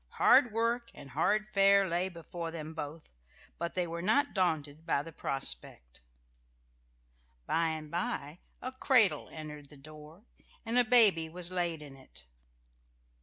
Hard work and hard fare lay before them both, but they were not daunted by the prospect.... By and by a cradle entered the door, and a baby was laid in it....